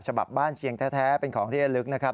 ฉบับบ้านเชียงแท้เป็นของที่ระลึกนะครับ